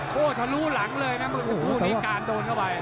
โอ้โหทะลุหลังเลยนะมันคือสิ่งผู้นี้การโดนเข้าไป